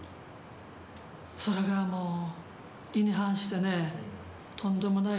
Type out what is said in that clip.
それがもう意に反してねとんでもない